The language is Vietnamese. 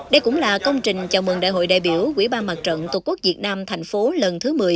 đây cũng là công trình chào mừng đại hội đại biểu quỹ ban mặt trận tổ quốc việt nam thành phố lần thứ một mươi